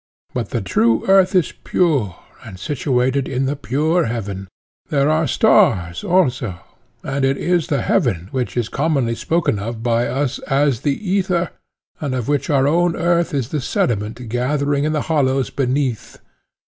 But the true earth is pure and situated in the pure heaven—there are the stars also; and it is the heaven which is commonly spoken of by us as the ether, and of which our own earth is the sediment gathering in the hollows beneath.